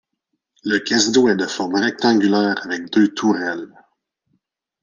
Le casino est de forme rectangulaire avec deux tourelles.